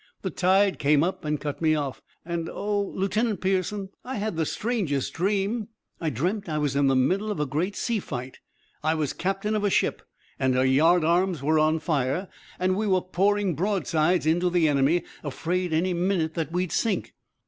"The tide came up and cut me off. And oh, Lieutenant Pearson, I had the strangest dream! I dreamt I was in the middle of a great sea fight. I was captain of a ship, and her yard arms were on fire, and we were pouring broadsides into the enemy, afraid any minute that we'd sink.